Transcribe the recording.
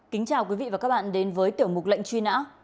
kính chào quý vị và các bạn đến với tiểu mục lệnh truy nã